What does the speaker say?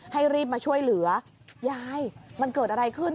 ให้รีบมาช่วยเหลือยายมันเกิดอะไรขึ้น